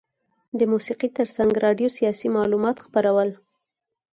د موسیقي ترڅنګ راډیو سیاسي معلومات خپرول.